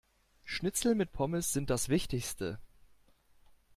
Schnitzel mit Pommes sind das Wichtigste.